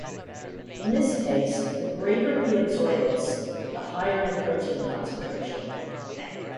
In this case, the greater the absorbance, the higher the protein concentration.